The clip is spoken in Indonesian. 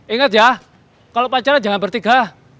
inget ya kalo pacaran jangan bertiga